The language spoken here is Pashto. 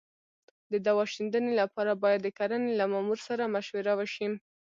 د دوا شیندنې لپاره باید د کرنې له مامور سره مشوره وشي.